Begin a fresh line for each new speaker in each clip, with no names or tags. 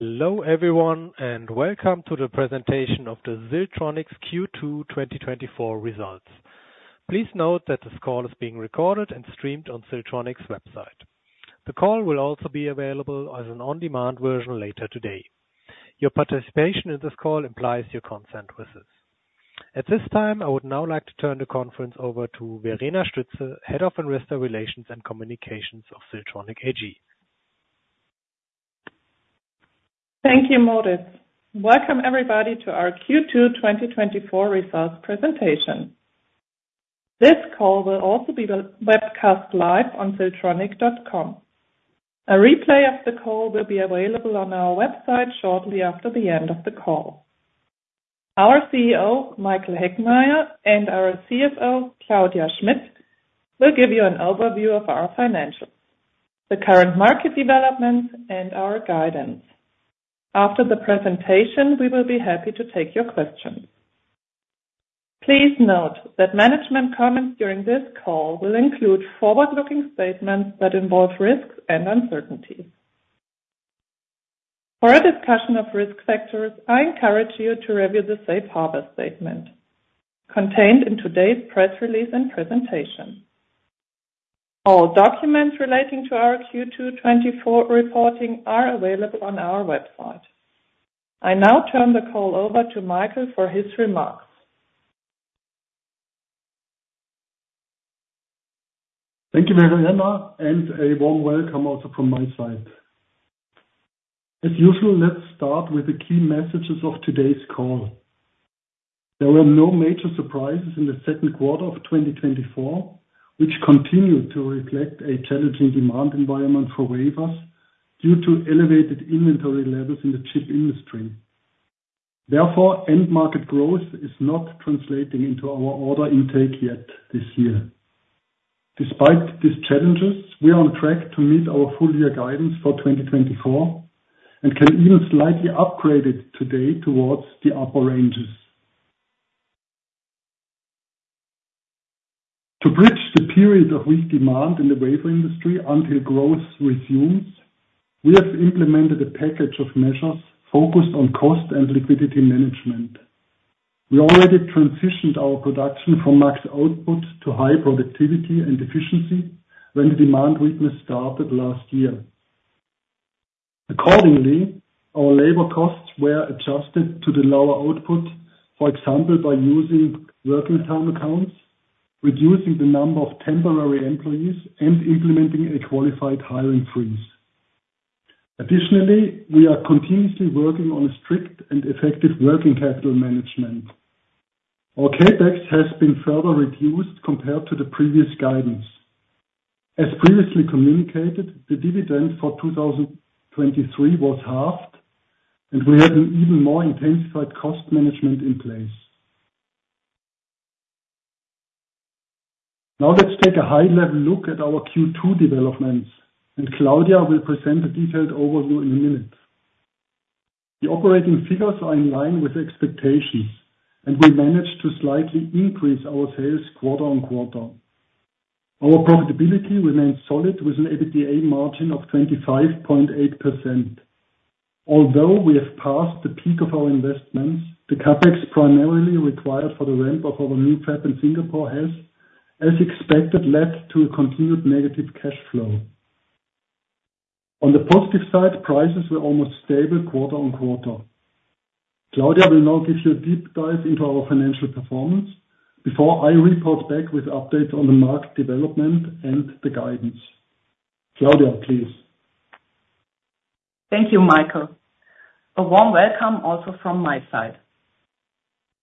Hello everyone, and welcome to the presentation of Siltronic's Q2 2024 Results. Please note that this call is being recorded and streamed on Siltronic's website. The call will also be available as an on-demand version later today. Your participation in this call implies your consent with this. At this time, I would now like to turn the conference over to Verena Stütze, Head of Investor Relations and Communications of Siltronic AG.
Thank you, Moritz. Welcome, everybody, to our Q2 2024 Results Presentation. This call will also be the webcast live on siltronic.com. A replay of the call will be available on our website shortly after the end of the call. Our CEO, Michael Heckmeier, and our CFO, Claudia Schmitt, will give you an overview of our financials, the current market developments, and our guidance. After the presentation, we will be happy to take your questions. Please note that management comments during this call will include forward-looking statements that involve risks and uncertainties. For a discussion of risk factors, I encourage you to review the safe harbor statement contained in today's press release and presentation. All documents relating to our Q2 2024 reporting are available on our website. I now turn the call over to Michael for his remarks.
Thank you, Verena, and a warm welcome also from my side. As usual, let's start with the key messages of today's call. There were no major surprises in the second quarter of 2024, which continued to reflect a challenging demand environment for wafers due to elevated inventory levels in the chip industry. Therefore, end market growth is not translating into our order intake yet this year. Despite these challenges, we are on track to meet our full year guidance for 2024, and can even slightly upgrade it today towards the upper ranges. To bridge the period of weak demand in the wafer industry until growth resumes, we have implemented a package of measures focused on cost and liquidity management. We already transitioned our production from max output to high productivity and efficiency when the demand weakness started last year. Accordingly, our labor costs were adjusted to the lower output, for example, by using working time accounts, reducing the number of temporary employees, and implementing a qualified hiring freeze. Additionally, we are continuously working on a strict and effective working capital management. Our CapEx has been further reduced compared to the previous guidance. As previously communicated, the dividend for 2023 was halved, and we have an even more intensified cost management in place. Now let's take a high-level look at our Q2 developments, and Claudia will present a detailed overview in a minute. The operating figures are in line with expectations, and we managed to slightly increase our sales quarter-on-quarter. Our profitability remains solid, with an EBITDA margin of 25.8%. Although we have passed the peak of our investments, the CapEx primarily required for the ramp of our new fab in Singapore has, as expected, led to a continued negative cash flow. On the positive side, prices were almost stable quarter-on-quarter. Claudia will now give you a deep dive into our financial performance before I report back with updates on the market development and the guidance. Claudia, please.
Thank you, Michael. A warm welcome also from my side.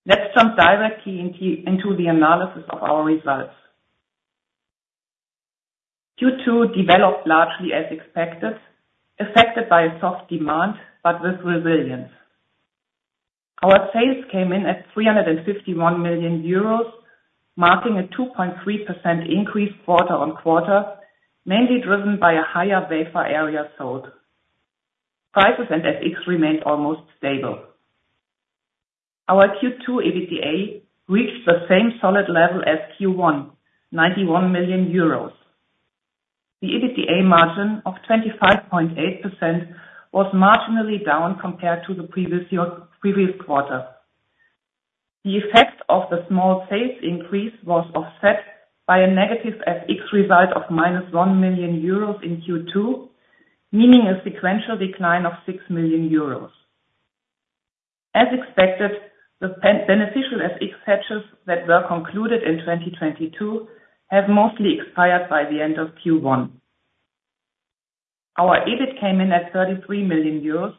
Let's jump directly into the analysis of our results. Q2 developed largely as expected, affected by a soft demand, but with resilience. Our sales came in at 351 million euros, marking a 2.3% increase quarter-on-quarter, mainly driven by a higher wafer area sold. Prices and FX remained almost stable. Our Q2 EBITDA reached the same solid level as Q1, 91 million euros. The EBITDA margin of 25.8% was marginally down compared to the previous quarter. The effect of the small sales increase was offset by a negative FX result of -1 million euros in Q2, meaning a sequential decline of 6 million euros. As expected, the beneficial FX hedges that were concluded in 2022 have mostly expired by the end of Q1. Our EBIT came in at 33 million euros,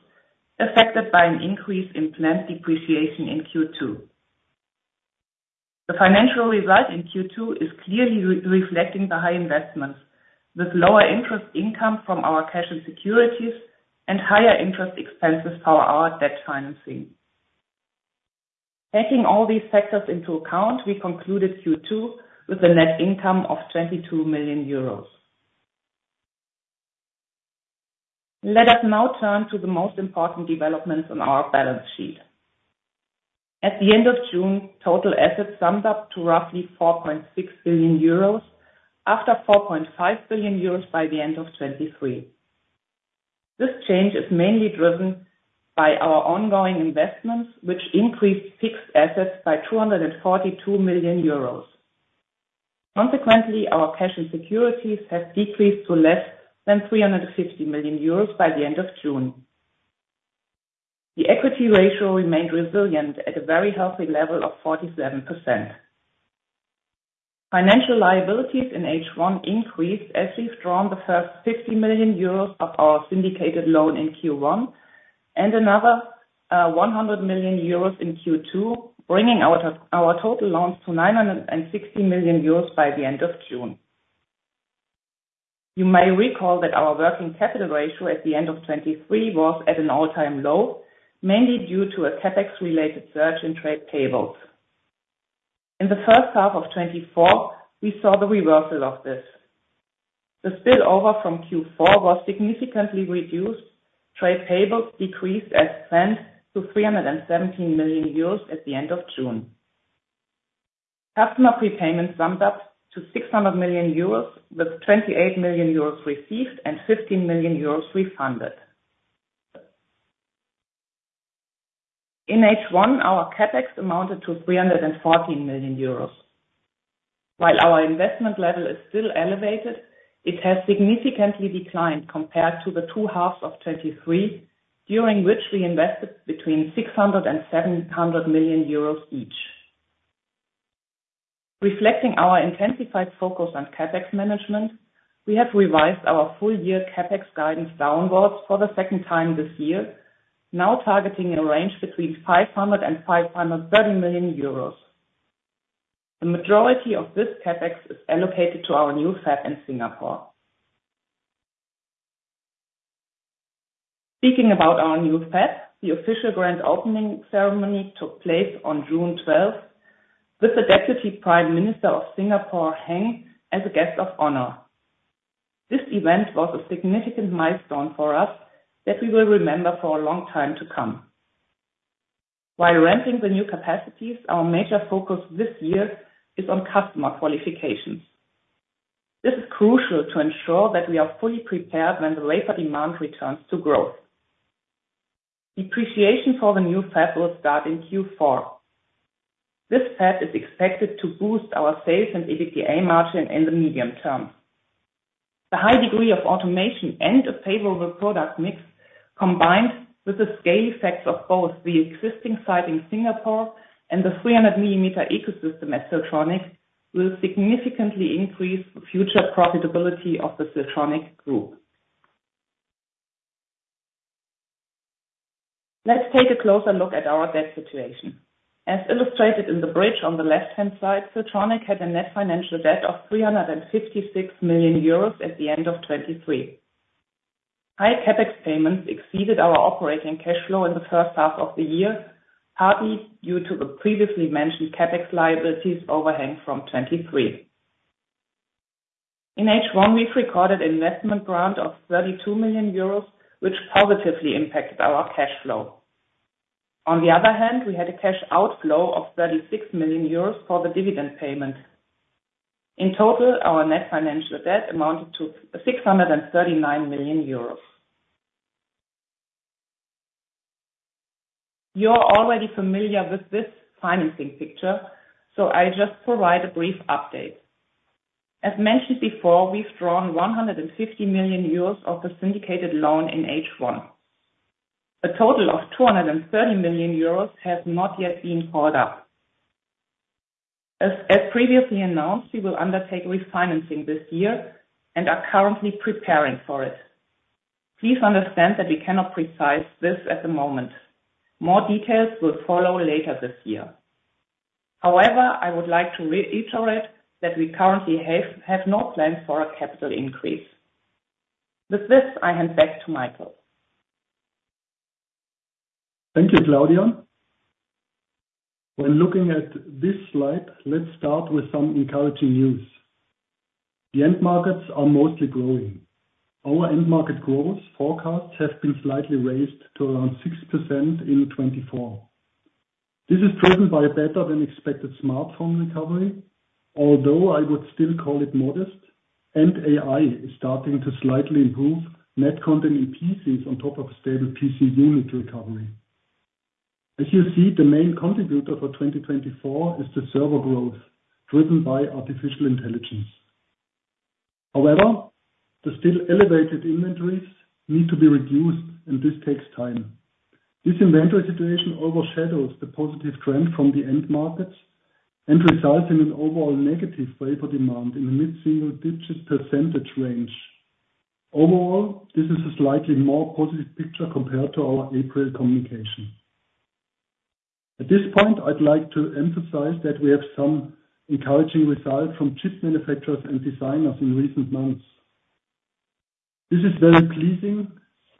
affected by an increase in plant depreciation in Q2. The financial result in Q2 is clearly reflecting the high investments, with lower interest income from our cash and securities and higher interest expenses for our debt financing. Taking all these factors into account, we concluded Q2 with a net income of 22 million euros. Let us now turn to the most important developments on our balance sheet. At the end of June, total assets summed up to roughly 4.6 billion euros, after 4.5 billion euros by the end of 2023. This change is mainly driven by our ongoing investments, which increased fixed assets by 242 million euros. Consequently, our cash and securities have decreased to less than 350 million euros by the end of June. The equity ratio remained resilient at a very healthy level of 47%. Financial liabilities in H1 increased as we've drawn the first 50 million euros of our syndicated loan in Q1, and another 100 million euros in Q2, bringing our total loans to 960 million euros by the end of June. You may recall that our working capital ratio at the end of 2023 was at an all-time low, mainly due to a CapEx-related surge in trade payables. In the first half of 2024, we saw the reversal of this. The spillover from Q4 was significantly reduced. Trade payables decreased as planned to 317 million euros at the end of June. Customer prepayment summed up to 600 million euros, with 28 million euros received and 15 million euros refunded. In H1, our CapEx amounted to 314 million euros. While our investment level is still elevated, it has significantly declined compared to the two halves of 2023, during which we invested between 600 million euros and 700 million euros each. Reflecting our intensified focus on CapEx management, we have revised our full year CapEx guidance downwards for the second time this year, now targeting a range between 500 million euros and 530 million euros. The majority of this CapEx is allocated to our new fab in Singapore. Speaking about our new fab, the official grand opening ceremony took place on June 12th, with the Deputy Prime Minister of Singapore, Heng, as a guest of honor. This event was a significant milestone for us that we will remember for a long time to come. While ramping the new capacities, our major focus this year is on customer qualifications. This is crucial to ensure that we are fully prepared when the wafer demand returns to growth. Depreciation for the new fab will start in Q4. This fab is expected to boost our sales and EBITDA margin in the medium term. The high degree of automation and a favorable product mix, combined with the scale effects of both the existing site in Singapore and the 300 mm ecosystem at Siltronic, will significantly increase the future profitability of the Siltronic Group. Let's take a closer look at our debt situation. As illustrated in the bridge on the left-hand side, Siltronic had a net financial debt of 356 million euros at the end of 2023. High CapEx payments exceeded our operating cash flow in the first half of the year, partly due to the previously mentioned CapEx liabilities overhang from 2023. In H1, we've recorded investment grant of 32 million euros, which positively impacted our cash flow. On the other hand, we had a cash outflow of 36 million euros for the dividend payment. In total, our net financial debt amounted to 639 million euros. You're already familiar with this financing picture, so I'll just provide a brief update. As mentioned before, we've drawn 150 million euros of the syndicated loan in H1. A total of 230 million euros has not yet been called up. As previously announced, we will undertake refinancing this year and are currently preparing for it. Please understand that we cannot specify this at the moment. More details will follow later this year. However, I would like to reiterate that we currently have no plans for a capital increase. With this, I hand back to Michael.
Thank you, Claudia. When looking at this slide, let's start with some encouraging news. The end markets are mostly growing. Our end market growth forecasts have been slightly raised to around 6% in 2024. This is driven by a better-than-expected smartphone recovery, although I would still call it modest, and AI is starting to slightly improve net content in PCs on top of stable PC unit recovery. As you see, the main contributor for 2024 is the server growth, driven by artificial intelligence. However, the still elevated inventories need to be reduced, and this takes time. This inventory situation overshadows the positive trend from the end markets and results in an overall negative wafer demand in the mid-single-digit percentage range. Overall, this is a slightly more positive picture compared to our April communication. At this point, I'd like to emphasize that we have some encouraging results from chip manufacturers and designers in recent months. This is very pleasing.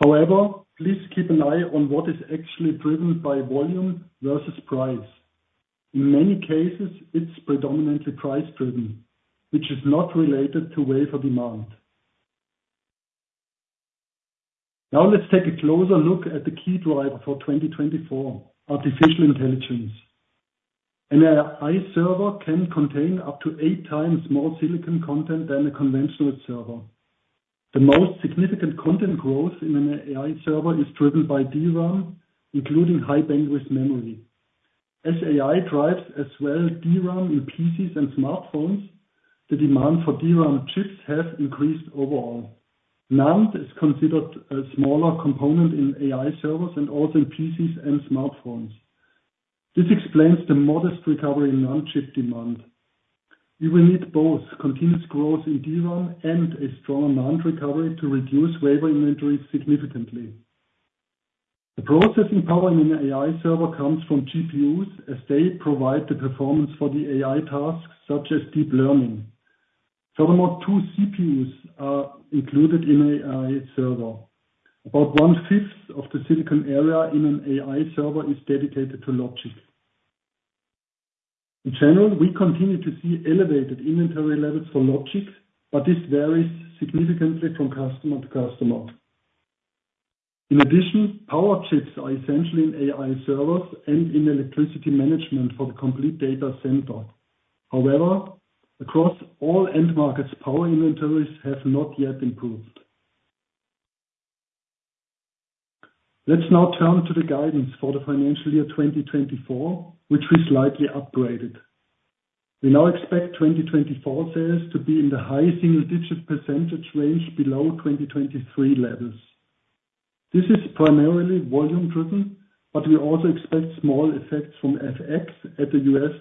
However, please keep an eye on what is actually driven by volume versus price. In many cases, it's predominantly price-driven, which is not related to wafer demand. Now let's take a closer look at the key driver for 2024, artificial intelligence. An AI server can contain up to eight times more silicon content than a conventional server. The most significant content growth in an AI server is driven by DRAM, including high bandwidth memory. As AI drives as well DRAM in PCs and smartphones, the demand for DRAM chips has increased overall. NAND is considered a smaller component in AI servers and also in PCs and smartphones. This explains the modest recovery in NAND chip demand. We will need both continuous growth in DRAM and a strong NAND recovery to reduce wafer inventory significantly. The processing power in an AI server comes from GPUs, as they provide the performance for the AI tasks, such as deep learning. Furthermore, two CPUs are included in AI server. About 1/5 of the silicon area in an AI server is dedicated to logic. In general, we continue to see elevated inventory levels for logic, but this varies significantly from customer to customer. In addition, power chips are essential in AI servers and in electricity management for the complete data center. However, across all end markets, power inventories have not yet improved. Let's now turn to the guidance for the financial year 2024, which we slightly upgraded. We now expect 2024 sales to be in the high single-digit percentage range below 2023 levels. This is primarily volume driven, but we also expect small effects from FX at the U.S.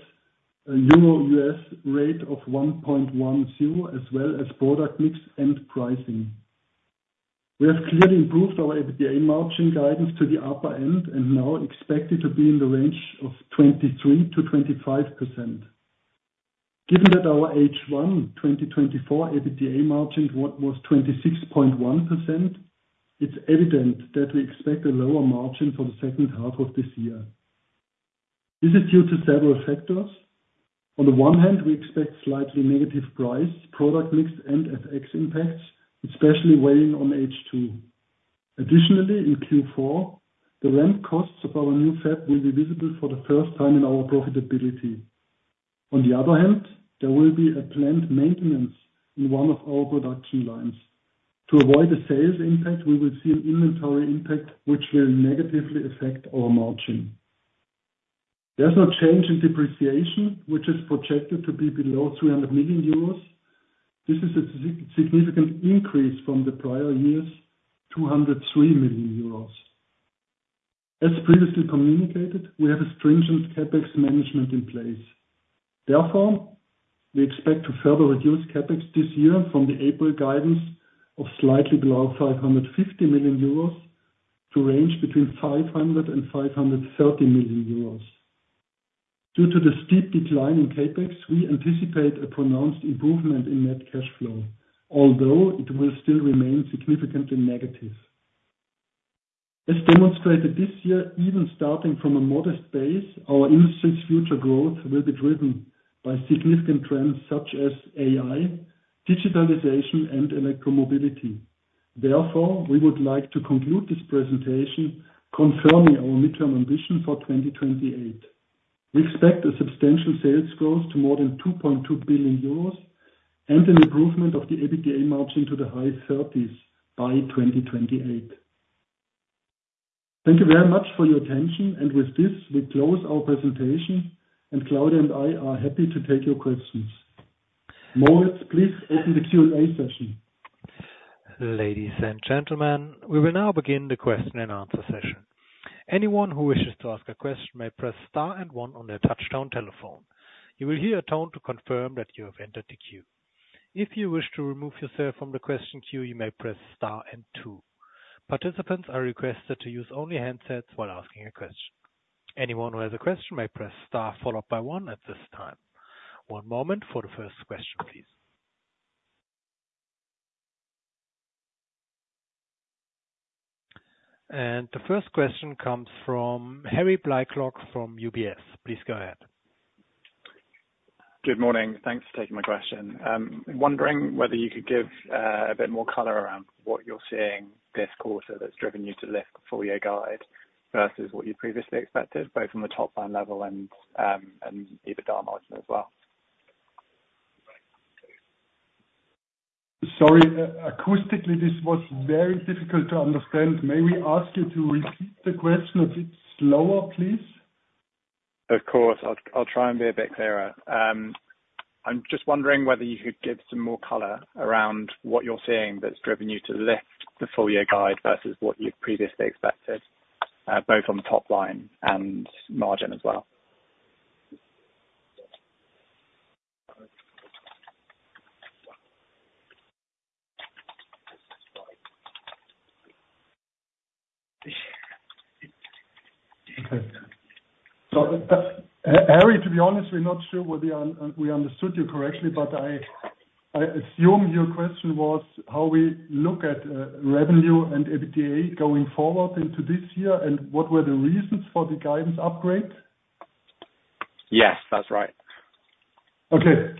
Euro-U.S. rate of 1.10, as well as product mix and pricing. We have clearly improved our EBITDA margin guidance to the upper end and now expect it to be in the range of 23%-25%. Given that our H1 2024 EBITDA margin was 26.1%, it's evident that we expect a lower margin for the second half of this year. This is due to several factors. On the one hand, we expect slightly negative price, product mix, and FX impacts, especially weighing on H2. Additionally, in Q4, the rent costs of our new fab will be visible for the first time in our profitability. On the other hand, there will be a planned maintenance in one of our production lines. To avoid a sales impact, we will see an inventory impact, which will negatively affect our margin. There's no change in depreciation, which is projected to be below 300 million euros. This is a significant increase from the prior year's 203 million euros. As previously communicated, we have a stringent CapEx management in place. Therefore, we expect to further reduce CapEx this year from the April guidance of slightly below 550 million euros to range between 500 million euros and 530 million euros. Due to the steep decline in CapEx, we anticipate a pronounced improvement in net cash flow, although it will still remain significantly negative. As demonstrated this year, even starting from a modest base, our industry's future growth will be driven by significant trends such as AI, digitalization, and electromobility. Therefore, we would like to conclude this presentation confirming our mid-term ambition for 2028. We expect a substantial sales growth to more than 2.2 billion euros and an improvement of the EBITDA margin to the high 30s by 2028. Thank you very much for your attention, and with this, we close our presentation, and Claudia and I are happy to take your questions. Moritz, please open the Q&A session.
Ladies and gentlemen, we will now begin the question and answer session. Anyone who wishes to ask a question may press star and one on their touchtone telephone. You will hear a tone to confirm that you have entered the queue. If you wish to remove yourself from the question queue, you may press star and two. Participants are requested to use only handsets while asking a question. Anyone who has a question may press star followed by one at this time. One moment for the first question, please. The first question comes from Harry Blaiklock from UBS. Please go ahead.
Good morning. Thanks for taking my question. Wondering whether you could give a bit more color around what you're seeing this quarter that's driven you to lift the full year guide versus what you previously expected, both from a top line level and EBITDA margin as well?
Sorry, acoustically, this was very difficult to understand. May we ask you to repeat the question a bit slower, please?
Of course. I'll try and be a bit clearer. I'm just wondering whether you could give some more color around what you're seeing that's driven you to lift the full year guide versus what you'd previously expected, both on the top line and margin as well?
Harry, to be honest, we're not sure whether we understood you correctly, but I assume your question was how we look at revenue and EBITDA going forward into this year, and what were the reasons for the guidance upgrade?...
Yes, that's right.
Okay.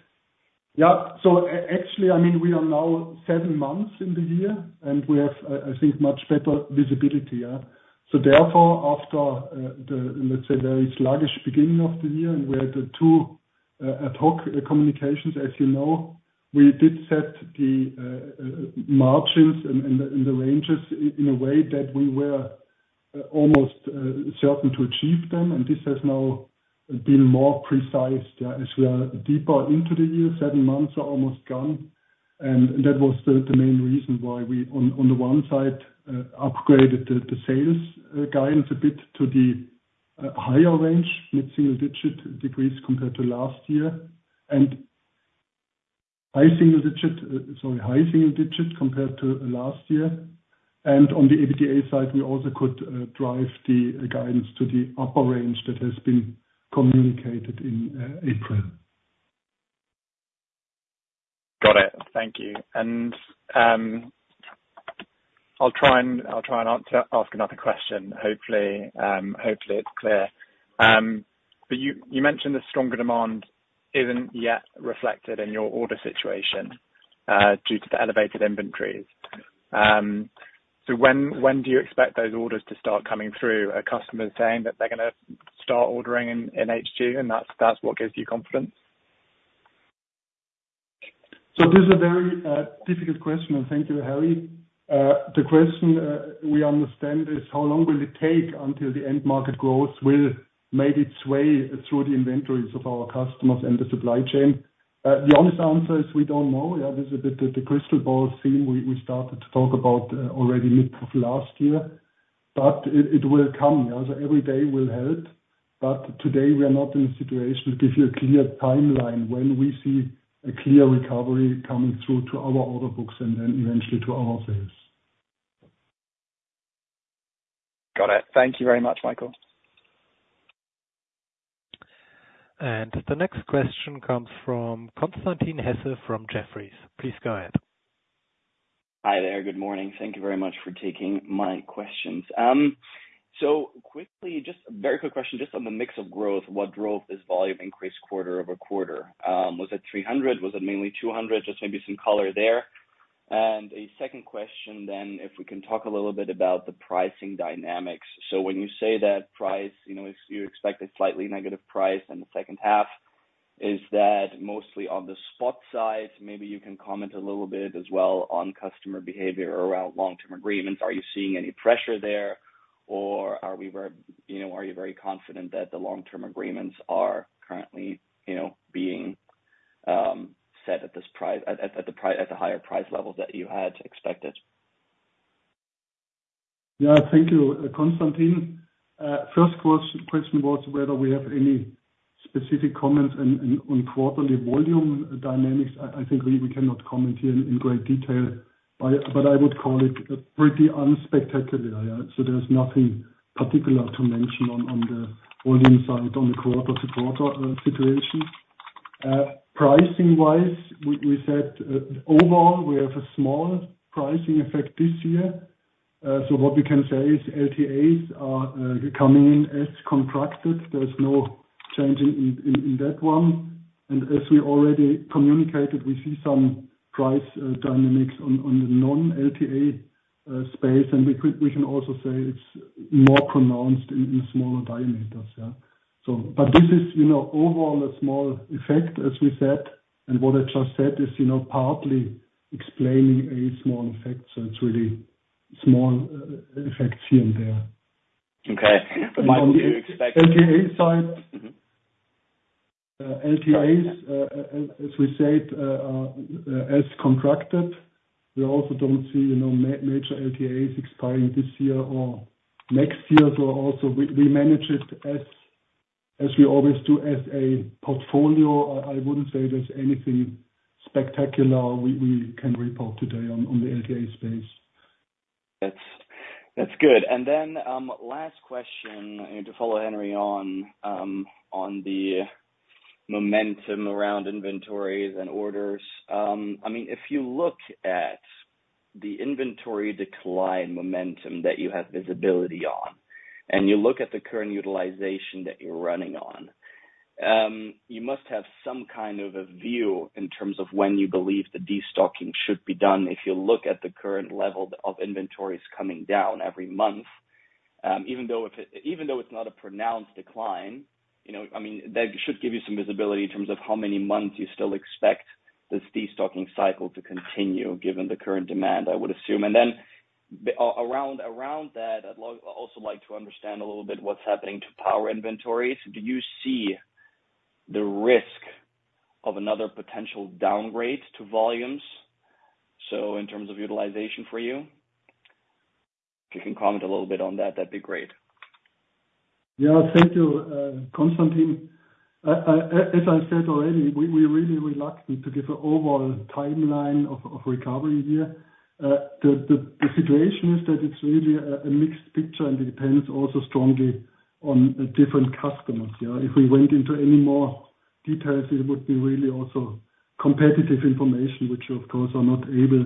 Yeah, so actually, I mean, we are now seven months in the year, and we have, I think, much better visibility, yeah? So therefore, after, the, let's say, very sluggish beginning of the year, and we had the two, ad hoc communications, as you know, we did set the, margins and, and the, and the ranges in a way that we were, almost, certain to achieve them, and this has now been more precise, as we are deeper into the year. Seven months are almost gone, and that was the, main reason why we on, on the one side, upgraded the, the sales, guidance a bit to the, higher range, mid-single digit degrees compared to last year. And high single digit, sorry, high single digit compared to last year. On the EBITDA side, we also could drive the guidance to the upper range that has been communicated in April.
Got it. Thank you. I'll try and ask another question. Hopefully, it's clear. But you mentioned the stronger demand isn't yet reflected in your order situation due to the elevated inventories. So when do you expect those orders to start coming through? Are customers saying that they're gonna start ordering in H2, and that's what gives you confidence?
So this is a very, difficult question, and thank you, Harry. The question, we understand is: How long will it take until the end market growth will make its way through the inventories of our customers and the supply chain? The honest answer is we don't know. Yeah, this is a bit of the crystal ball scene we, we started to talk about, already mid of last year, but it, it will come. Yeah, so every day will help, but today we are not in a situation to give you a clear timeline when we see a clear recovery coming through to our order books and then eventually to our sales.
Got it. Thank you very much, Michael.
The next question comes from Constantin Hesse from Jefferies. Please go ahead.
Hi there. Good morning. Thank you very much for taking my questions. So quickly, just a very quick question, just on the mix of growth. What drove this volume increase quarter-over-quarter? Was it 300? Was it mainly 200? Just maybe some color there. And a second question then, if we can talk a little bit about the pricing dynamics. So when you say that price, you know, you expect a slightly negative price in the second half, is that mostly on the spot side? Maybe you can comment a little bit as well on customer behavior around long-term agreements. Are you seeing any pressure there, or are we very, you know, are you very confident that the long-term agreements are currently, you know, being set at this price, at the higher price level that you had expected?
Yeah, thank you, Constantin. First question was whether we have any specific comments on quarterly volume dynamics. I think we cannot comment here in great detail, but I would call it a pretty unspectacular. So there's nothing particular to mention on the volume side, on the quarter-to-quarter situation. Pricing-wise, we said overall, we have a small pricing effect this year. So what we can say is LTAs are coming in as contracted. There's no change in that one. And as we already communicated, we see some price dynamics on the non-LTA space, and we can also say it's more pronounced in smaller diameters. This is, you know, overall a small effect, as we said, and what I just said is, you know, partly explaining a small effect, so it's really small effects here and there.
Okay. But Michael, do you expect-
LTA side-
Mm-hmm.
LTAs, as we said, are as contracted. We also don't see, you know, major LTAs expiring this year or next year. So also we manage it as we always do, as a portfolio. I wouldn't say there's anything spectacular we can report today on the LTA space.
That's good. And then, last question, and to follow Harry on the momentum around inventories and orders. I mean, if you look at the inventory decline momentum that you have visibility on, and you look at the current utilization that you're running on, you must have some kind of a view in terms of when you believe the destocking should be done. If you look at the current level of inventories coming down every month, even though it's not a pronounced decline, you know, I mean, that should give you some visibility in terms of how many months you still expect this destocking cycle to continue, given the current demand, I would assume. And then around that, I'd also like to understand a little bit what's happening to power inventories. Do you see the risk of another potential downgrade to volumes, so in terms of utilization for you? If you can comment a little bit on that, that'd be great.
Yeah. Thank you, Constantin. As I said already, we're really reluctant to give an overall timeline of recovery here. The situation is that it's really a mixed picture, and it depends also strongly on different customers, yeah? If we went into any more details, it would be really also competitive information, which of course we are not able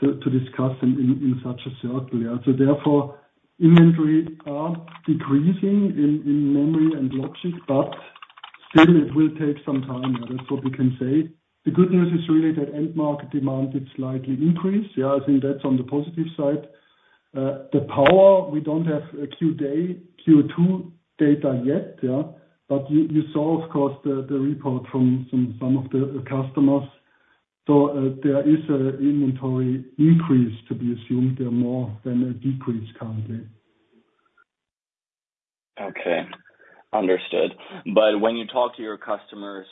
to discuss in such a circle. Yeah. So therefore, inventory are decreasing in memory and logic, but still it will take some time. That's what we can say. The good news is really that end market demand is slightly increased. Yeah, I think that's on the positive side. The power, we don't have Q1, Q2 data yet, yeah? But you saw, of course, the report from some of the customers. So, there is an inventory increase to be assumed there, more than a decrease currently.
Okay, understood. But when you talk to your customers,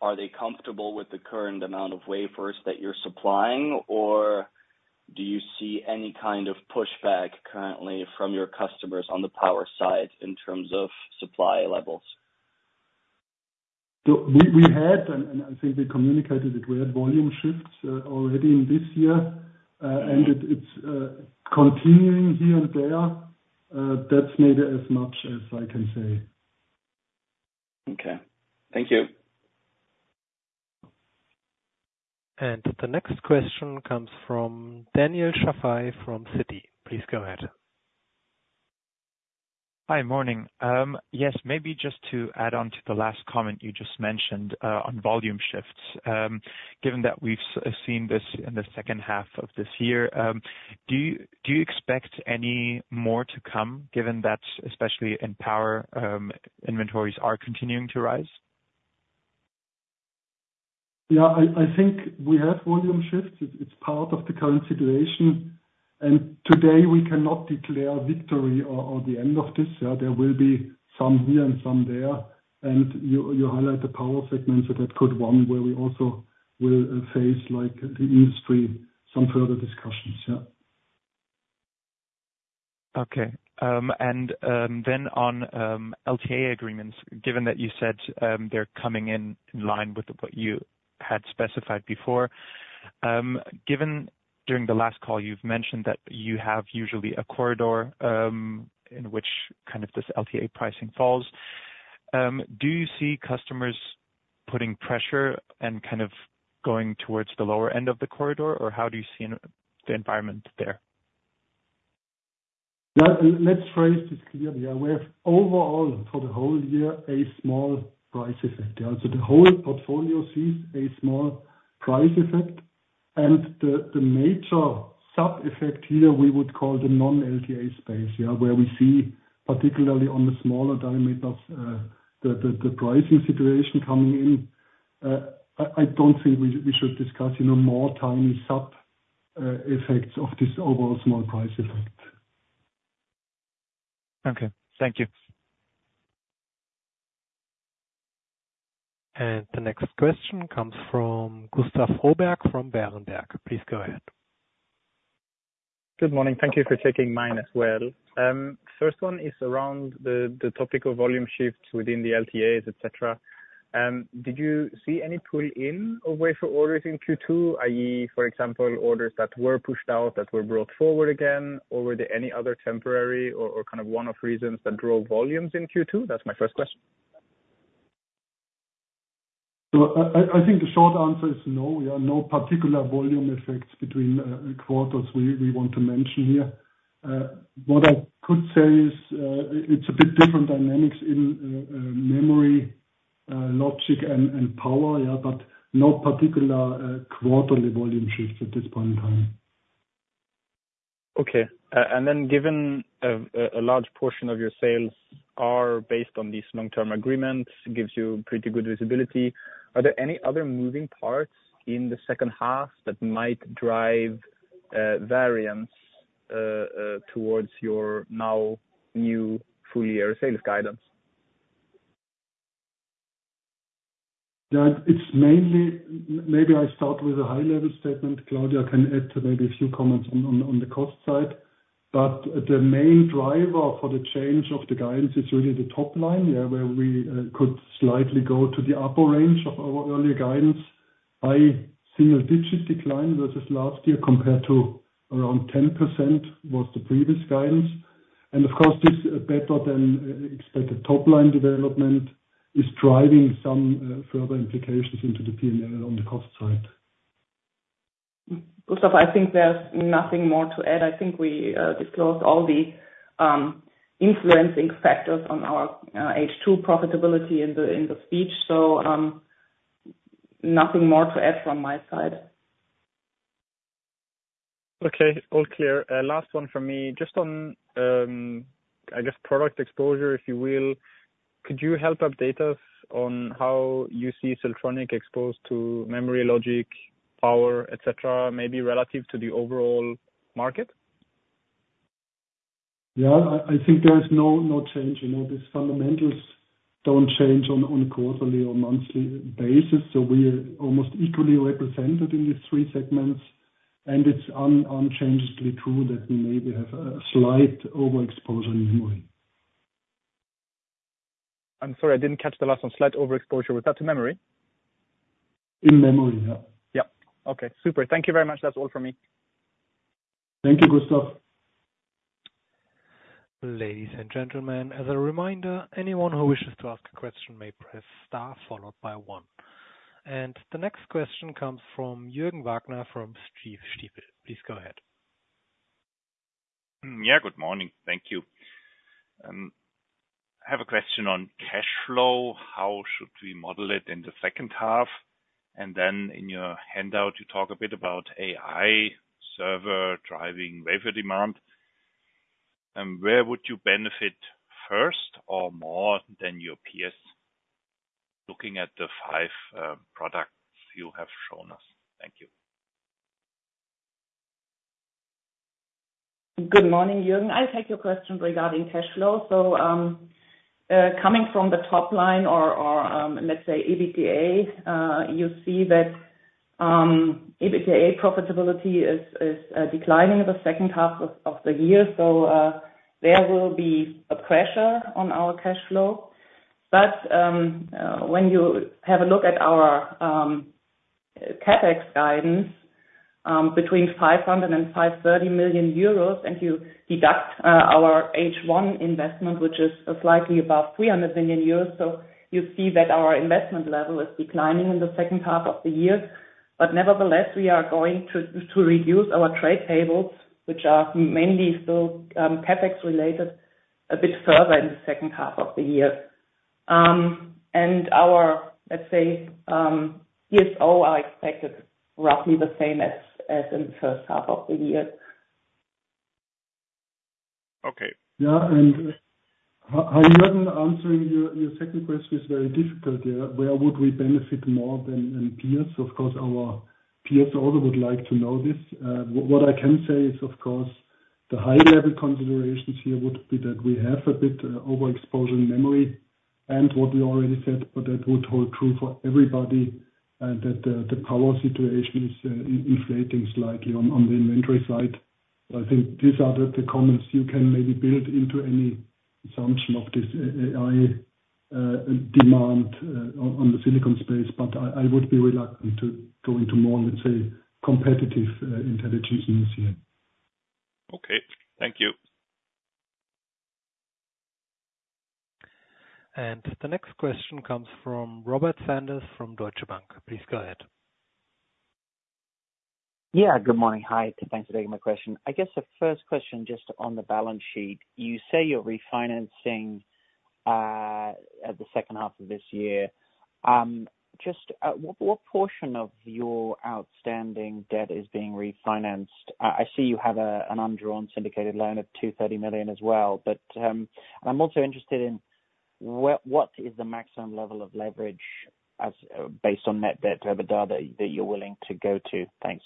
are they comfortable with the current amount of wafers that you're supplying? Or do you see any kind of pushback currently from your customers on the power side, in terms of supply levels?
So we had, and I think we communicated it, we had volume shifts already in this year.
Mm-hmm.
and it's continuing here and there. That's maybe as much as I can say.
Okay. Thank you.
The next question comes from Daniel Schafei from Citi. Please go ahead.
Hi, morning. Yes, maybe just to add on to the last comment you just mentioned on volume shifts. Given that we've seen this in the second half of this year, do you, do you expect any more to come, given that especially in power inventories are continuing to rise?
Yeah, I think we have volume shifts. It's part of the current situation, and today we cannot declare victory or the end of this. Yeah, there will be some here and some there. And you highlight the power segment, so that could one where we also will face, like the industry, some further discussions, yeah.
Okay, and then on LTA agreements, given that you said they're coming in line with what you had specified before. Given during the last call you've mentioned that you have usually a corridor in which kind of this LTA pricing falls. Do you see customers putting pressure and kind of going towards the lower end of the corridor? Or how do you see the environment there?
Well, let's phrase this clearly. Yeah, we have overall, for the whole year, a small price effect. Yeah, so the whole portfolio sees a small price effect, and the major sub-effect here, we would call the non-LTA space, yeah? Where we see, particularly on the smaller diameter of the pricing situation coming in. I don't think we should discuss, you know, more tiny sub effects of this overall small price effect.
Okay, thank you.
The next question comes from Gustav Froberg, from Berenberg. Please go ahead.
Good morning. Thank you for taking mine as well. First one is around the topic of volume shifts within the LTAs, et cetera. Did you see any pull-in of wafer orders in Q2, i.e., for example, orders that were pushed out, that were brought forward again? Or were there any other temporary or kind of one-off reasons that drove volumes in Q2? That's my first question.
So I think the short answer is no. There are no particular volume effects between quarters we want to mention here. What I could say is, it's a bit different dynamics in memory, logic and power, yeah, but no particular quarterly volume shifts at this point in time.
Okay, and then given a large portion of your sales are based on these long-term agreements, it gives you pretty good visibility. Are there any other moving parts in the second half that might drive variance towards your now new full year sales guidance?
Yeah, it's mainly maybe I start with a high-level statement. Claudia can add to maybe a few comments on, on, on the cost side. But the main driver for the change of the guidance is really the top line, yeah, where we could slightly go to the upper range of our earlier guidance. I see a single-digit decline versus last year, compared to around 10% was the previous guidance. And of course, this better than expected top line development is driving some further implications into the P&L on the cost side.
Gustav, I think there's nothing more to add. I think we disclosed all the influencing factors on our H2 profitability in the speech, so nothing more to add from my side.
Okay, all clear. Last one from me, just on, I guess, product exposure, if you will. Could you help update us on how you see Siltronic exposed to memory, logic, power, et cetera, maybe relative to the overall market?
Yeah, I think there is no change. You know, these fundamentals don't change on a quarterly or monthly basis, so we are almost equally represented in these three segments. And it's unchangingly true that we maybe have a slight overexposure in memory.
I'm sorry, I didn't catch the last one. Slight overexposure, was that to memory?
In memory, yeah.
Yeah. Okay, super. Thank you very much. That's all for me.
Thank you, Gustav....
Ladies and gentlemen, as a reminder, anyone who wishes to ask a question may press star followed by one. The next question comes from Jürgen Wagner from Stifel. Please go ahead.
Yeah, good morning. Thank you. I have a question on cash flow. How should we model it in the second half? And then in your handout, you talk a bit about AI server driving wafer demand, and where would you benefit first or more than your peers, looking at the five products you have shown us? Thank you.
Good morning, Jürgen. I'll take your question regarding cash flow. So, coming from the top line or, let's say, EBITDA, you see that EBITDA profitability is declining in the second half of the year, so there will be pressure on our cash flow. But when you have a look at our CapEx guidance, between 500 million euros and 530 million euros, and you deduct our H1 investment, which is slightly above 300 million euros, so you see that our investment level is declining in the second half of the year. But nevertheless, we are going to reduce our trade payables, which are mainly still CapEx related, a bit further in the second half of the year. Our, let's say, DSO are expected roughly the same as in the first half of the year.
Okay.
Yeah, and Jurgen answering your second question is very difficult. Yeah. Where would we benefit more than peers? Of course, our peers also would like to know this. What I can say is, of course, the high level considerations here would be that we have a bit overexposure in memory and what we already said, but that would hold true for everybody, and that the power situation is inflating slightly on the inventory side. I think these are the comments you can maybe build into any assumption of this AI demand on the silicon space, but I would be reluctant to go into more, let's say, competitive intelligence in this here.
Okay, thank you.
The next question comes from Robert Sanders from Deutsche Bank. Please go ahead.
Yeah, good morning. Hi, thanks for taking my question. I guess the first question, just on the balance sheet, you say you're refinancing at the second half of this year. Just, what portion of your outstanding debt is being refinanced? I, I see you have a, an undrawn syndicated loan of 230 million as well. But, I'm also interested in what is the maximum level of leverage as based on net debt to EBITDA that, that you're willing to go to? Thanks.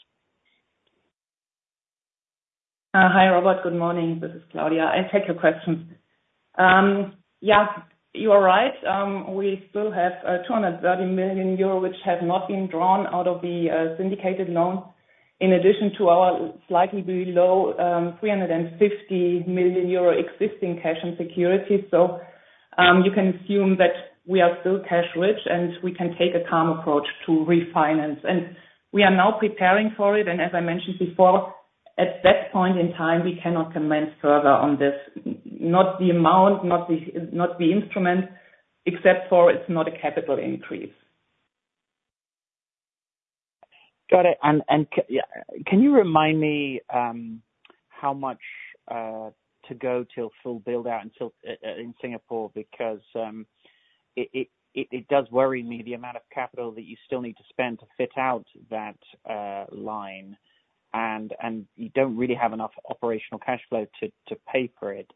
Hi, Robert. Good morning. This is Claudia. I take your question. Yeah, you are right. We still have 230 million euro, which has not been drawn out of the syndicated loan, in addition to our slightly below 350 million euro existing cash and securities. So, you can assume that we are still cash rich, and we can take a calm approach to refinance. And we are now preparing for it, and as I mentioned before, at that point in time, we cannot comment further on this. Not the amount, not the instrument, except for it's not a capital increase.
Got it. Yeah, can you remind me how much to go till full build out in Singapore? Because it does worry me, the amount of capital that you still need to spend to fit out that line, and you don't really have enough operational cash flow to pay for it.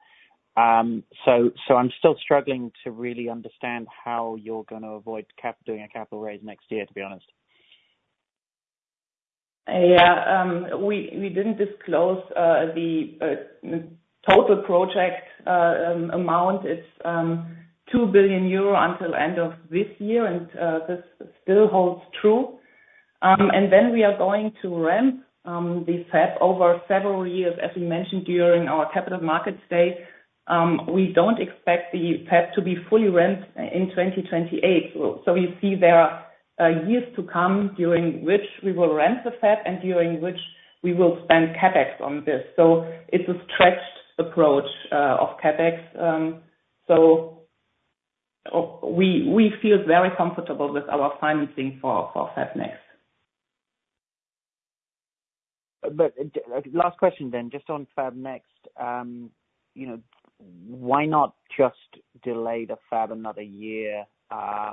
So I'm still struggling to really understand how you're gonna avoid doing a capital raise next year, to be honest.
Yeah. We didn't disclose the total project amount is 2 billion euro until end of this year, and this still holds true. Then we are going to ramp this fab over several years. As we mentioned during our capital market today, we don't expect the fab to be fully ramped in 2028. So you see there are years to come during which we will ramp the fab and during which we will spend CapEx on this. So it's a stretched approach of CapEx. So we feel very comfortable with our financing for FabNext.
Last question then, just on FabNext. You know, why not just delay the fab another year? Yeah,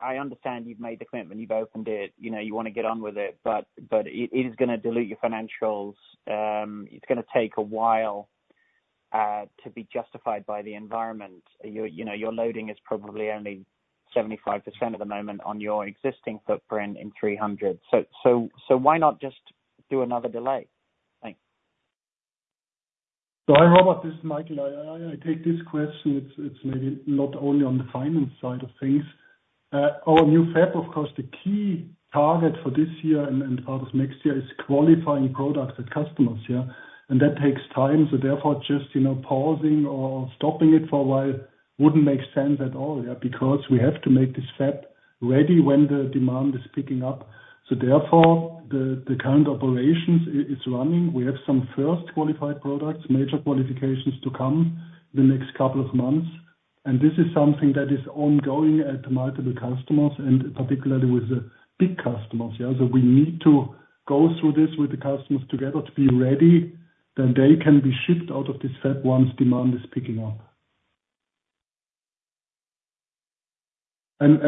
I understand you've made the commitment, you've opened it, you know, you wanna get on with it, but it is gonna dilute your financials. It's gonna take a while to be justified by the environment. You know, your loading is probably only 75% at the moment on your existing footprint in 300. So why not just do another delay? Thanks.
So hi, Robert, this is Michael. I take this question. It's maybe not only on the finance side of things. Our new fab, of course, the key target for this year and part of next year is qualifying products and customers, yeah, and that takes time. So therefore, just you know, pausing or stopping it for a while wouldn't make sense at all, yeah, because we have to make this fab ready when the demand is picking up. So therefore, the current operations is running. We have some first qualified products, major qualifications to come the next couple of months. And this is something that is ongoing at multiple customers, and particularly with the big customers, yeah? So we need to go through this with the customers together to be ready, then they can be shipped out of this fab once demand is picking up. And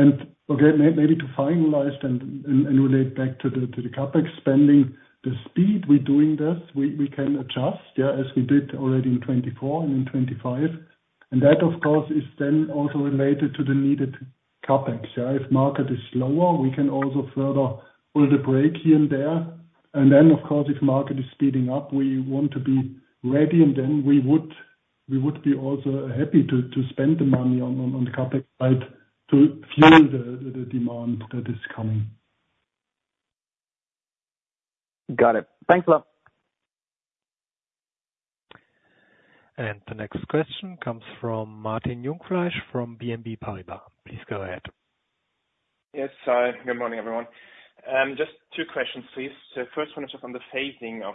okay, maybe to finalize and relate back to the CapEx spending, the speed we're doing this, we can adjust, yeah, as we did already in 2024 and in 2025. And that, of course, is then also related to the needed CapEx, yeah? If market is slower, we can also further pull the brake here and there. And then, of course, if market is speeding up, we want to be ready, and then we would be also happy to spend the money on CapEx, right, to fuel the demand that is coming.
Got it. Thanks a lot.
The next question comes from Martin Jungfleisch from BNP Paribas. Please go ahead.
Yes. Good morning, everyone. Just two questions, please. So first one is just on the phasing of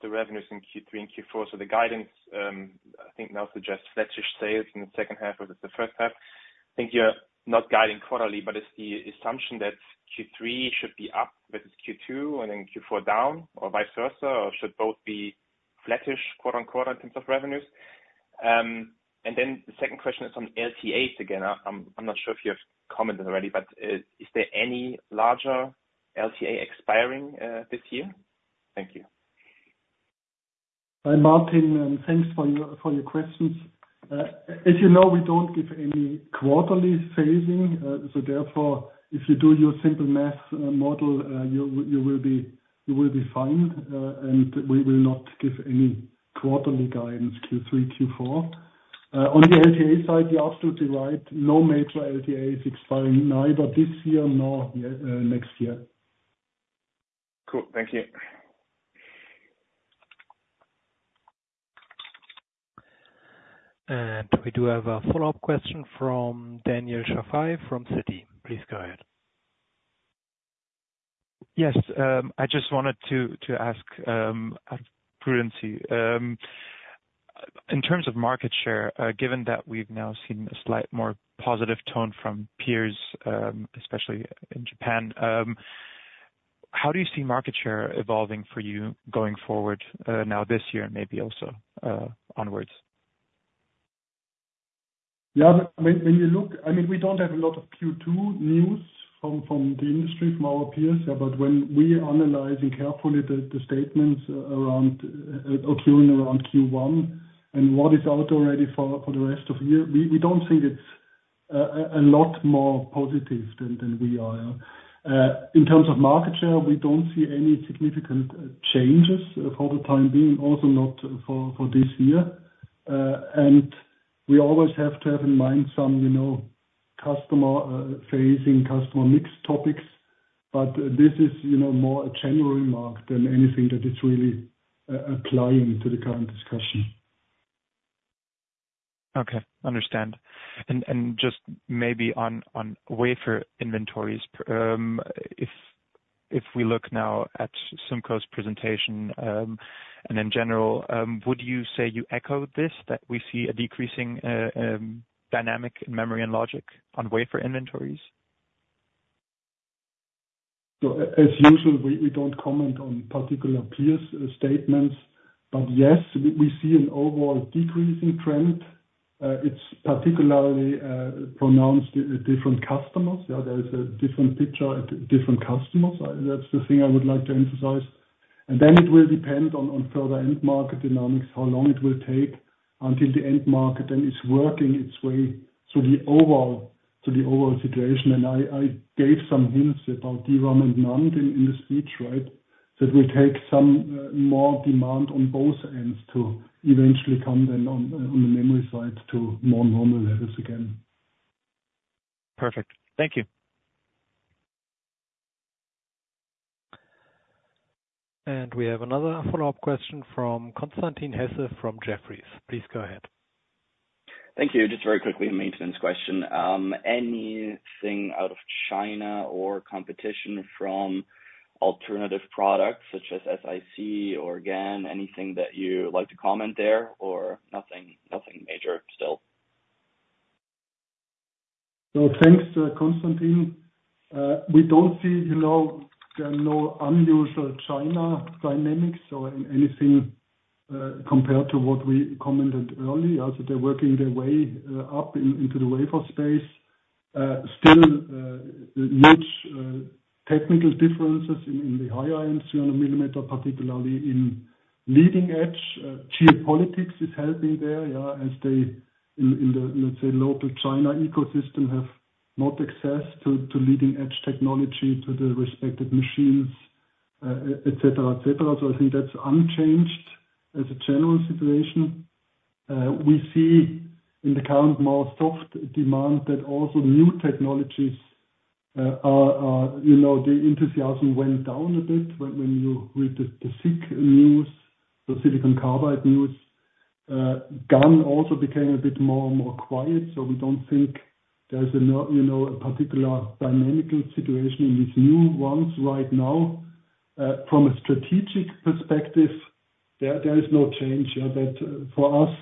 the revenues in Q3 and Q4. So the guidance, I think now suggests flattish sales in the second half versus the first half. I think you're not guiding quarterly, but is the assumption that Q3 should be up versus Q2, and then Q4 down, or vice versa, or should both be flattish quarter on quarter in terms of revenues? And then the second question is on LTAs again. I'm not sure if you have commented already, but is there any larger LTA expiring this year? Thank you.
Hi, Martin, and thanks for your questions. As you know, we don't give any quarterly phasing. So therefore, if you do your simple math model, you will be fine. And we will not give any quarterly guidance, Q3, Q4. On the LTA side, you're absolutely right. No major LTA is expiring, neither this year, nor next year.
Cool. Thank you.
We do have a follow-up question from Daniel Schafei from Citi. Please go ahead.
Yes, I just wanted to ask at present, in terms of market share, given that we've now seen a slight more positive tone from peers, especially in Japan, how do you see market share evolving for you going forward, now this year, and maybe also onwards?
Yeah, when you look—I mean, we don't have a lot of Q2 news from the industry, from our peers, yeah. But when we are analyzing carefully the statements around occurring around Q1, and what is out already for the rest of the year, we don't think it's a lot more positive than we are. In terms of market share, we don't see any significant changes for the time being, also not for this year. And we always have to have in mind some, you know, customer phasing, customer mix topics. But this is, you know, more a general remark than anything that is really applying to the current discussion.
Okay, understand. And just maybe on wafer inventories, if we look now at SUMCO's presentation, and in general, would you say you echo this, that we see a decreasing dynamic in memory and logic on wafer inventories?
So as usual, we don't comment on particular peers' statements, but yes, we see an overall decreasing trend. It's particularly pronounced at different customers. Yeah, there is a different picture at different customers. That's the thing I would like to emphasize. And then it will depend on further end market dynamics, how long it will take until the end market, and it's working its way through the overall situation. And I gave some hints about DRAM and NAND in the speech, right? That will take some more demand on both ends to eventually come then on the memory side to more normal levels again.
Perfect. Thank you.
We have another follow-up question from Constantin Hesse from Jefferies. Please go ahead.
Thank you. Just very quickly, a maintenance question. Anything out of China or competition from alternative products such as SiC or GaN? Anything that you'd like to comment there or nothing, nothing major still?
So thanks, Constantin. We don't see, you know, there are no unusual China dynamics or anything, compared to what we commented earlier, as they're working their way up into the wafer space. Still much technical differences in the higher ends, 300 mm, particularly in leading edge. Geopolitics is helping there, yeah, as they in the, let's say, local China ecosystem, have not access to leading edge technology, to the respective machines, et cetera, et cetera. So I think that's unchanged as a general situation. We see in the current more soft demand that also new technologies are -- you know, the enthusiasm went down a bit when you read the SiC news, the silicon carbide news. GaN also became a bit more and more quiet, so we don't think there's a—you know, a particular dynamical situation in these new ones right now. From a strategic perspective, there is no change, yeah, but for us,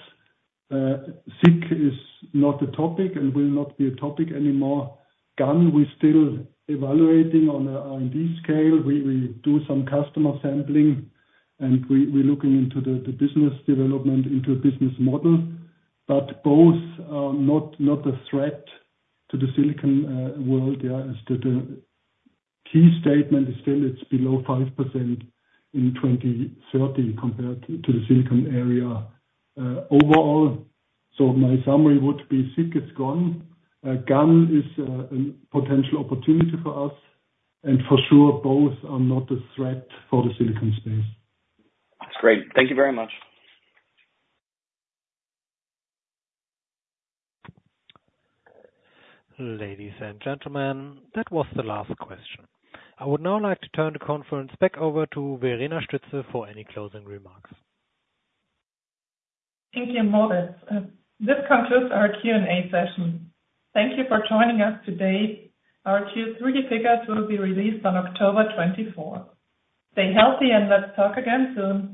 SiC is not a topic and will not be a topic anymore. GaN, we're still evaluating on a R&D scale. We do some customer sampling, and we're looking into the business development, into a business model. But both are not a threat to the silicon world. Yeah, as the key statement is still it's below 5% in 2030 compared to the silicon area overall. So my summary would be, SiC is gone. GaN is an potential opportunity for us, and for sure, both are not a threat for the silicon space.
Great. Thank you very much.
Ladies and gentlemen, that was the last question. I would now like to turn the conference back over to Verena Stützel for any closing remarks.
Thank you, Moritz. This concludes our Q&A session. Thank you for joining us today. Our Q3 figures will be released on October 24. Stay healthy and let's talk again soon.